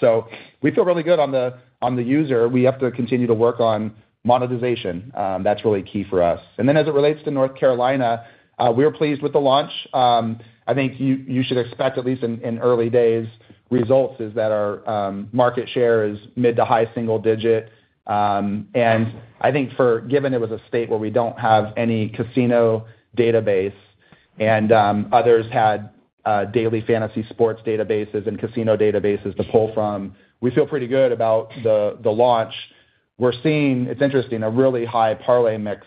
So we feel really good on the user. We have to continue to work on monetization. That's really key for us. And then as it relates to North Carolina, we're pleased with the launch. I think you should expect, at least in early days, results is that our market share is mid- to high-single-digit. And I think given it was a state where we don't have any casino database and others had daily fantasy sports databases and casino databases to pull from, we feel pretty good about the launch. We're seeing, it's interesting, a really high parlay mix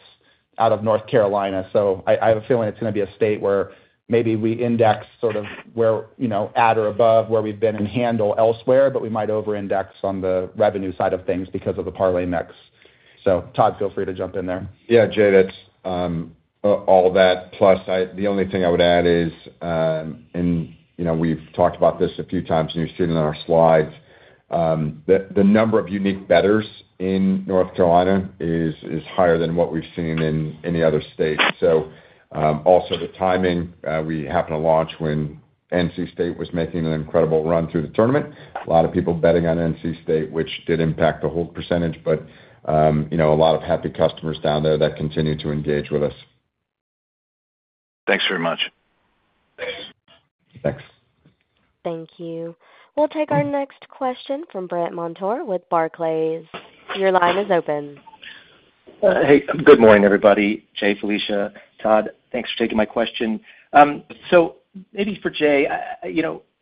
out of North Carolina. So I have a feeling it's going to be a state where maybe we index sort of at or above where we've been in handle elsewhere, but we might over-index on the revenue side of things because of the parlay mix. So Todd, feel free to jump in there. Yeah. Jay, that's all that. Plus, the only thing I would add is, and we've talked about this a few times, and you've seen it on our slides, the number of unique bettors in North Carolina is higher than what we've seen in any other state. So also the timing. We happened to launch when NC State was making an incredible run through the tournament. A lot of people betting on NC State, which did impact the whole percentage. But a lot of happy customers down there that continue to engage with us. Thanks very much. Thanks. Thank you. We'll take our next question from Brandt Montour with Barclays. Your line is open. Hey. Good morning, everybody. Jay, Felicia. Todd, thanks for taking my question. So maybe for Jay,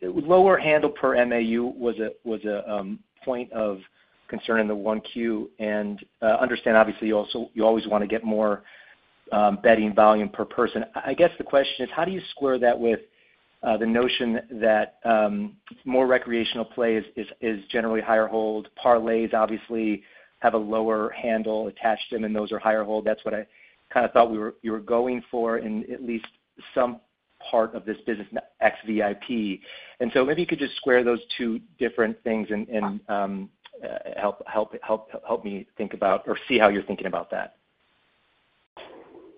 lower handle per MAU was a point of concern in the 10-Q. I understand, obviously, you always want to get more betting volume per person. I guess the question is, how do you square that with the notion that more recreational play is generally higher hold? parlays, obviously, have a lower handle attached to them, and those are higher hold. That's what I kind of thought you were going for in at least some part of this business, ex-VIP. And so maybe you could just square those two different things and help me think about or see how you're thinking about that.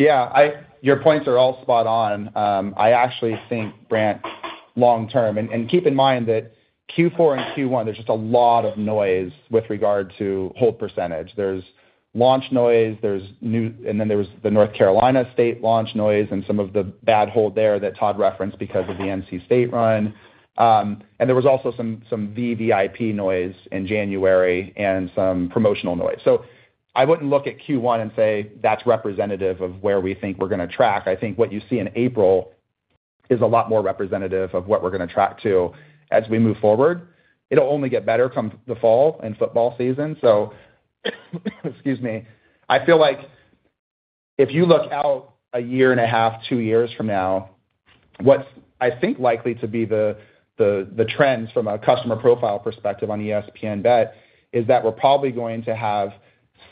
Yeah. Your points are all spot on. I actually think, Brandt, long-term and keep in mind that Q4 and Q1, there's just a lot of noise with regard to hold percentage. There's launch noise. Then there was the North Carolina state launch noise and some of the bad hold there that Todd referenced because of the NC State run. And there was also some VVIP noise in January and some promotional noise. So I wouldn't look at Q1 and say, "That's representative of where we think we're going to track." I think what you see in April is a lot more representative of what we're going to track to as we move forward. It'll only get better come the fall and football season. So excuse me. I feel like if you look out a year and a half, two years from now, what I think likely to be the trends from a customer profile perspective on ESPN BET is that we're probably going to have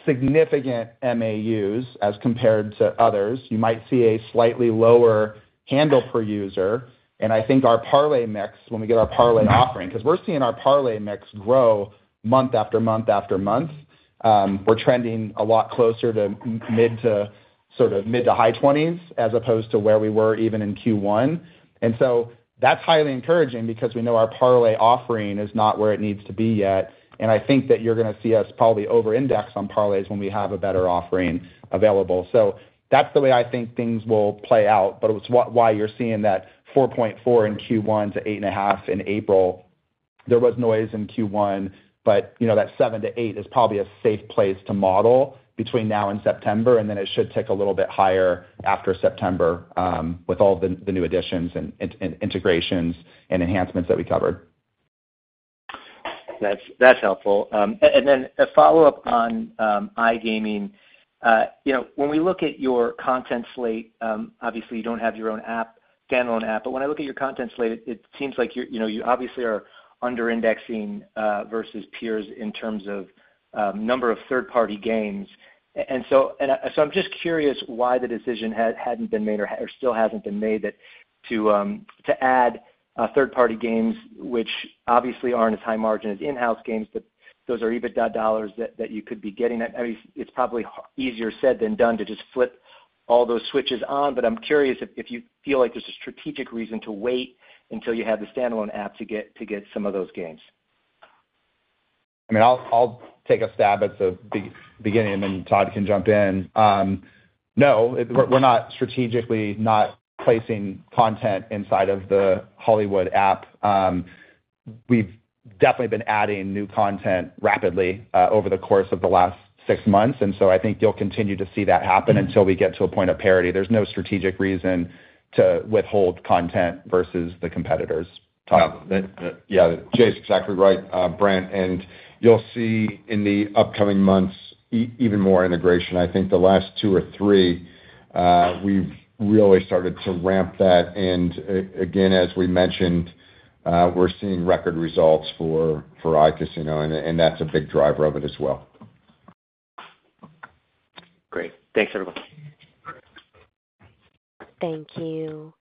significant MAUs as compared to others. You might see a slightly lower handle per user. I think our parlay mix, when we get our parlay offering because we're seeing our parlay mix grow month after month after month. We're trending a lot closer to sort of mid- to high 20s as opposed to where we were even in Q1. And so that's highly encouraging because we know our parlay offering is not where it needs to be yet. And I think that you're going to see us probably over-index on parlays when we have a better offering available. So that's the way I think things will play out. But it's why you're seeing that 4.4 in Q1 to 8.5 in April. There was noise in Q1, but that seven-eight is probably a safe place to model between now and September. It should tick a little bit higher after September with all of the new additions and integrations and enhancements that we covered. That's helpful. A follow-up on iGaming. When we look at your content slate, obviously, you don't have your own app, standalone app. But when I look at your content slate, it seems like you obviously are under-indexing versus peers in terms of number of third-party games. So I'm just curious why the decision hadn't been made or still hasn't been made to add third-party games, which obviously aren't as high margin as in-house games, but those are EBITDA dollars that you could be getting. I mean, it's probably easier said than done to just flip all those switches on. But I'm curious if you feel like there's a strategic reason to wait until you have the standalone app to get some of those games. I mean, I'll take a stab at the beginning, and then Todd can jump in. No. We're not strategically not placing content inside of the Hollywood app. We've definitely been adding new content rapidly over the course of the last six months. And so I think you'll continue to see that happen until we get to a point of parity. There's no strategic reason to withhold content versus the competitors, Todd. No. Yeah. Jay's exactly right, Brandt. And you'll see in the upcoming months even more integration. I think the last two or three, we've really started to ramp that. And again, as we mentioned, we're seeing record results for iCasino, and that's a big driver of it as well. Great. Thanks, everyone. Thank you.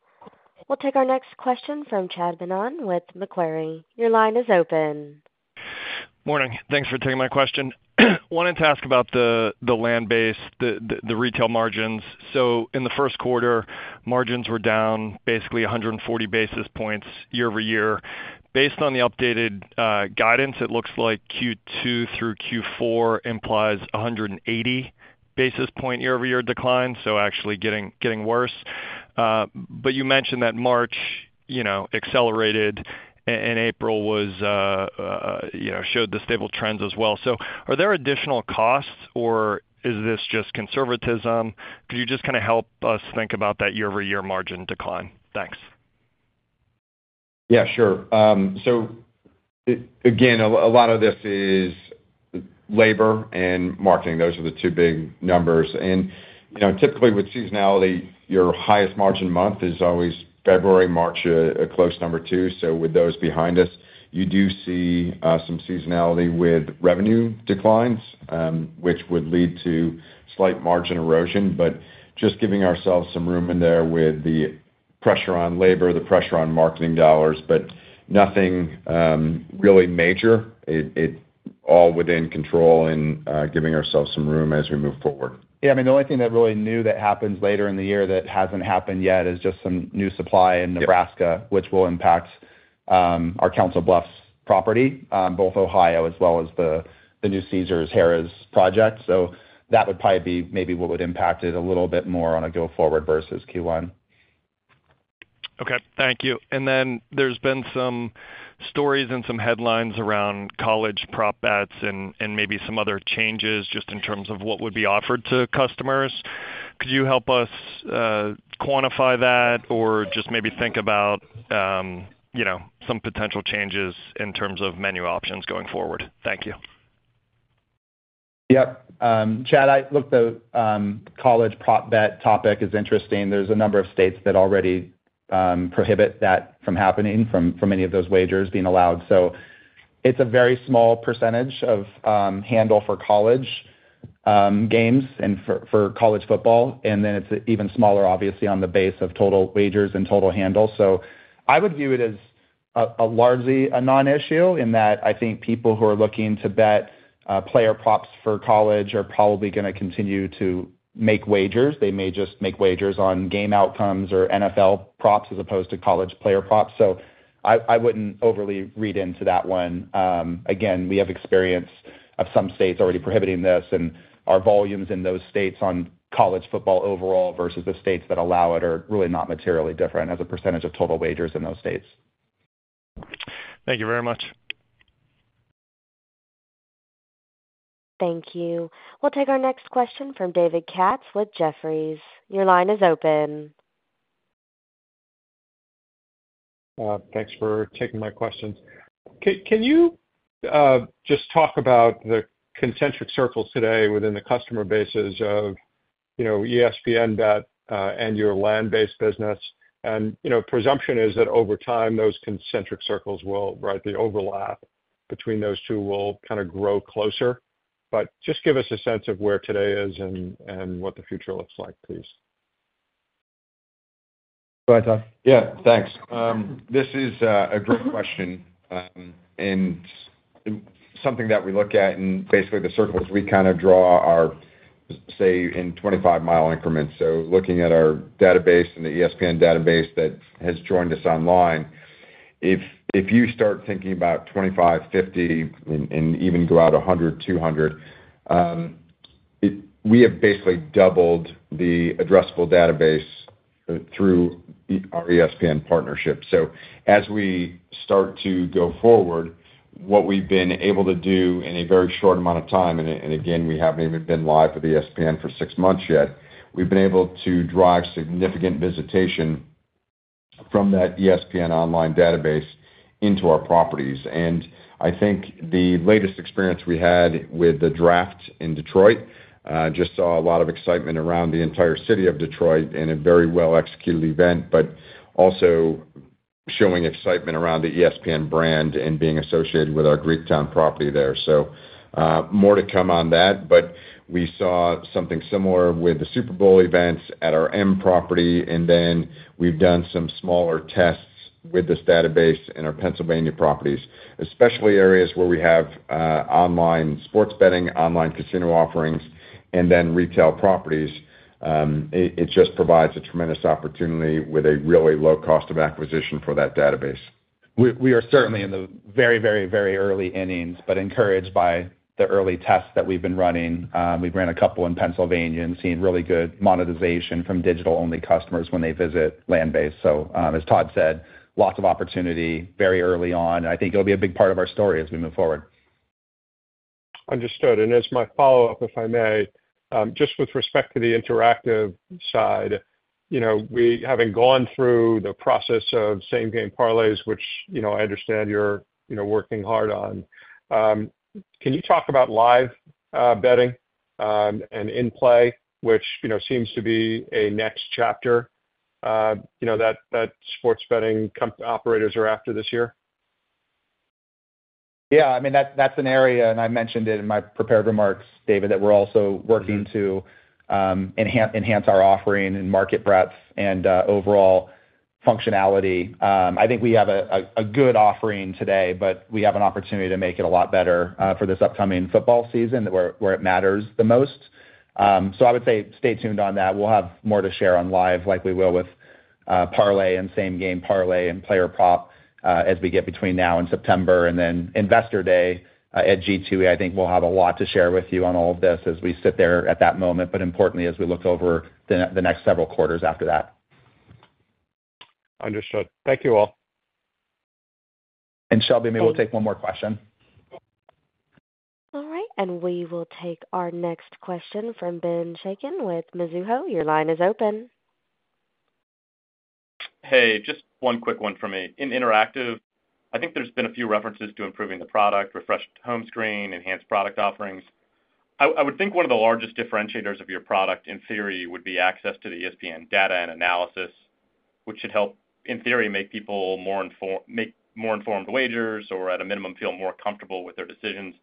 We'll take our next question from Chad Beynon with Macquarie. Your line is open. Morning. Thanks for taking my question. Wanted to ask about the land base, the retail margins. So in the first quarter, margins were down basically 140 basis points year-over-year. Based on the updated guidance, it looks like Q2 through Q4 implies 180 basis points year-over-year decline, so actually getting worse. But you mentioned that March accelerated and April showed the stable trends as well. So are there additional costs, or is this just conservatism? Could you just kind of help us think about that year-over-year margin decline? Thanks. Yeah. Sure. So again, a lot of this is labor and marketing. Those are the two big numbers. And typically, with seasonality, your highest margin month is always February, March, a close number two. So with those behind us, you do see some seasonality with revenue declines, which would lead to slight margin erosion. But just giving ourselves some room in there with the pressure on labor, the pressure on marketing dollars, but nothing really major. It's all within control and giving ourselves some room as we move forward. Yeah. I mean, the only thing that really new that happens later in the year that hasn't happened yet is just some new supply in Nebraska, which will impact our Council Bluffs property, both Ohio as well as the new Caesars/Harrah's project. So that would probably be maybe what would impact it a little bit more on a go forward versus Q1. Okay. Thank you. And then there's been some stories and some headlines around college prop bets and maybe some other changes just in terms of what would be offered to customers. Could you help us quantify that or just maybe think about some potential changes in terms of menu options going forward? Thank you. Yep. Chad, I looked. The college prop bet topic is interesting. There's a number of states that already prohibit that from happening, from any of those wagers being allowed. So it's a very small percentage of handle for college games and for college football. And then it's even smaller, obviously, on the basis of total wagers and total handle. So I would view it as largely a non-issue in that I think people who are looking to bet player props for college are probably going to continue to make wagers. They may just make wagers on game outcomes or NFL props as opposed to college player props. So I wouldn't overly read into that one. Again, we have experience of some states already prohibiting this. Our volumes in those states on college football overall versus the states that allow it are really not materially different as a percentage of total wagers in those states. Thank you very much. Thank you. We'll take our next question from David Katz with Jefferies. Your line is open. Thanks for taking my questions. Can you just talk about the concentric circles today within the customer bases of ESPN BET and your land-based business? And presumption is that over time, those concentric circles will, right, the overlap between those two will kind of grow closer. But just give us a sense of where today is and what the future looks like, please. Go ahead, Todd. Yeah. Thanks. This is a great question and something that we look at. And basically, the circles we kind of draw are, say, in 25-mi increments. So looking at our database and the ESPN database that has joined us online, if you start thinking about 25, 50, and even go out 100, 200, we have basically doubled the addressable database through our ESPN partnership. So as we start to go forward, what we've been able to do in a very short amount of time and again, we haven't even been live with ESPN for six months yet, we've been able to drive significant visitation from that ESPN online database into our properties. And I think the latest experience we had with the draft in Detroit just saw a lot of excitement around the entire city of Detroit in a very well-executed event but also showing excitement around the ESPN brand and being associated with our Greektown property there. So more to come on that. But we saw something similar with the Super Bowl events at our M property. And then we've done some smaller tests with this database in our Pennsylvania properties, especially areas where we have online sports betting, online casino offerings, and then retail properties. It just provides a tremendous opportunity with a really low cost of acquisition for that database. We are certainly in the very, very, very early innings but encouraged by the early tests that we've been running. We've ran a couple in Pennsylvania and seen really good monetization from digital-only customers when they visit land base. So as Todd said, lots of opportunity very early on. And I think it'll be a big part of our story as we move forward. Understood. As my follow-up, if I may, just with respect to the interactive side, having gone through the process of same-game parlays, which I understand you're working hard on, can you talk about live betting and in-play, which seems to be a next chapter that sports betting operators are after this year? Yeah. I mean, that's an area. And I mentioned it in my prepared remarks, David, that we're also working to enhance our offering and market breadth and overall functionality. I think we have a good offering today, but we have an opportunity to make it a lot better for this upcoming football season where it matters the most. So I would say stay tuned on that. We'll have more to share on live like we will with parlay and same-game parlay and player prop as we get between now and September. And then Investor Day at G2E, I think we'll have a lot to share with you on all of this as we sit there at that moment but importantly, as we look over the next several quarters after that. Understood. Thank you all. And Shelby, maybe we'll take one more question. All right. And we will take our next question from Ben Chaiken with Mizuho. Your line is open. Hey. Just one quick one from me. In interactive, I think there's been a few references to improving the product, refreshed home screen, enhanced product offerings. I would think one of the largest differentiators of your product, in theory, would be access to the ESPN data and analysis, which should help, in theory, make people more informed wagers or, at a minimum, feel more comfortable with their decisions.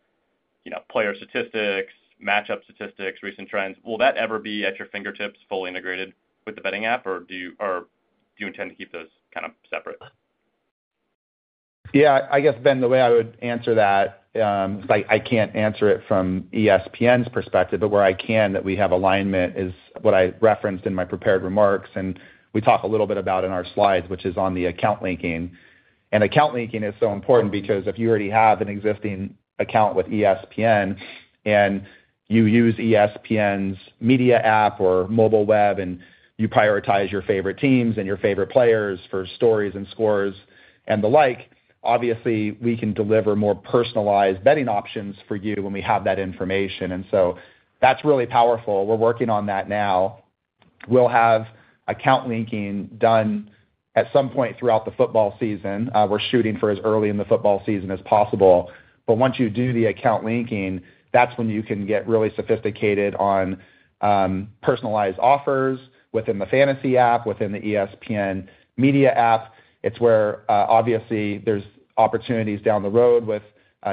Player statistics, matchup statistics, recent trends—will that ever be at your fingertips fully integrated with the betting app, or do you intend to keep those kind of separate? Yeah. I guess, Ben, the way I would answer that because I can't answer it from ESPN's perspective, but where I can that we have alignment is what I referenced in my prepared remarks. We talk a little bit about in our slides, which is on the account linking. Account linking is so important because if you already have an existing account with ESPN and you use ESPN's media app or mobile web and you prioritize your favorite teams and your favorite players for stories and scores and the like, obviously, we can deliver more personalized betting options for you when we have that information. So that's really powerful. We're working on that now. We'll have account linking done at some point throughout the football season. We're shooting for as early in the football season as possible. But once you do the account linking, that's when you can get really sophisticated on personalized offers within the Fantasy app, within the ESPN media app. It's where, obviously, there's opportunities down the road with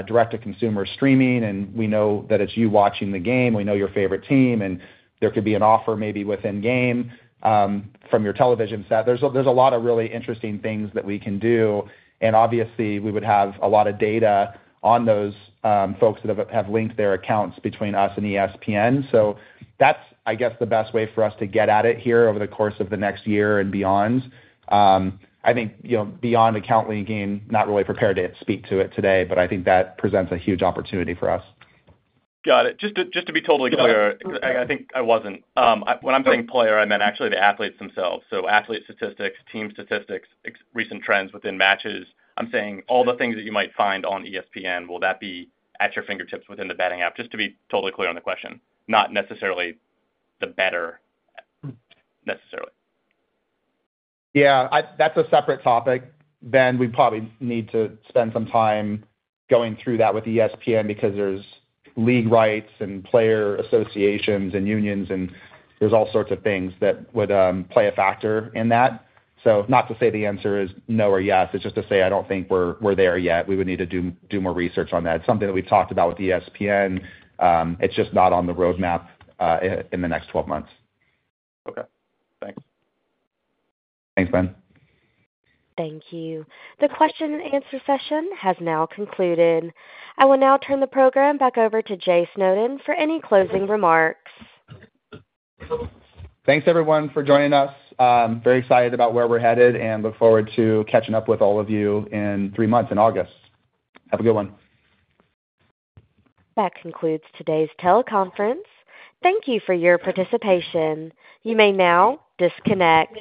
direct-to-consumer streaming. And we know that it's you watching the game. We know your favorite team. And there could be an offer maybe within-game from your television set. There's a lot of really interesting things that we can do. And obviously, we would have a lot of data on those folks that have linked their accounts between us and ESPN. So that's, I guess, the best way for us to get at it here over the course of the next year and beyond. I think beyond account linking, not really prepared to speak to it today, but I think that presents a huge opportunity for us. Got it. Just to be totally clear, I think I wasn't. When I'm saying player, I meant actually the athletes themselves. So athlete statistics, team statistics, recent trends within matches. I'm saying all the things that you might find on ESPN, will that be at your fingertips within the betting app? Just to be totally clear on the question, not necessarily the bettor necessarily. Yeah. That's a separate topic, Ben. We probably need to spend some time going through that with ESPN because there's league rights and player associations and unions, and there's all sorts of things that would play a factor in that. So not to say the answer is no or yes. It's just to say I don't think we're there yet. We would need to do more research on that. It's something that we've talked about with ESPN. It's just not on the roadmap in the next 12 months. Okay. Thanks. Thanks, Ben. Thank you. The question-and-answer session has now concluded. I will now turn the program back over to Jay Snowden for any closing remarks. Thanks, everyone, for joining us. Very excited about where we're headed and look forward to catching up with all of you in three months in August. Have a good one. That concludes today's teleconference. Thank you for your participation. You may now disconnect.